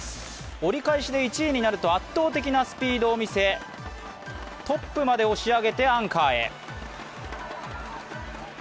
折り返しで１位になると圧倒的なスピードを見せトップまで押し上げてアンカーへ。